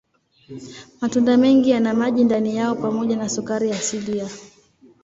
Matunda mengi yana maji ndani yao pamoja na sukari asilia.